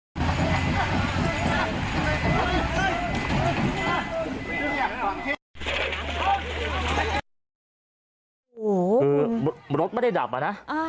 โหคือรถไม่ได้ดับอ่ะนะอ่า